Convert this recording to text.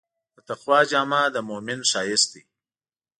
د تقوی جامه د مؤمن ښایست دی.